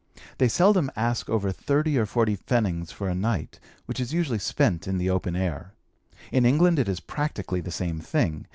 They seldom ask over thirty or forty pfennigs for a night, which is usually spent in the open air. In England it is practically the same thing.